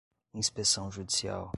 inspeção judicial